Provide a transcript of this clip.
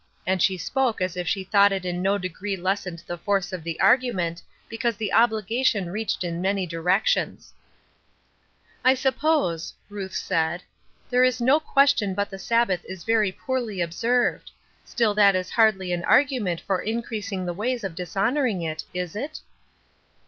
And she spoke as if she thought it in no degree lessened the force of the argument, because the obligation reached in many directions. 372 Ruth JErskine's Crosses, I suppose," Ruth said, " there is no ques tion but that the Sabbath is very poorly observed ; still that is hardly an argument for increasing the ways for dishonoring it, is it